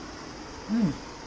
うん。